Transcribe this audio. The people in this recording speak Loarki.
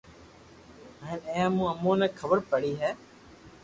ھين اي مون امون ني خبر پڙي ھي